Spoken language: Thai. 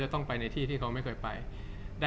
จากความไม่เข้าจันทร์ของผู้ใหญ่ของพ่อกับแม่